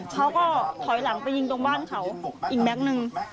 เขาก็ถอยหลังไปยิงตรงบ้านเขาอีกแก๊กนึง